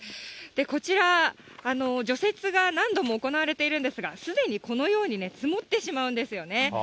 こちら、除雪が何度も行われているんですが、すでにこのようにね、積もってしまうんですよね。